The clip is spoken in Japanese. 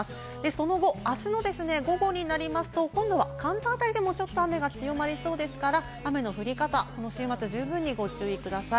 その後、あすの午後になりますと、今度は関東辺りでもちょっと雨が強まりそうですから、雨の降り方にこの週末、十分にご注意ください。